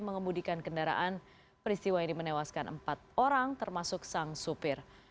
mengemudikan kendaraan peristiwa ini menewaskan empat orang termasuk sang supir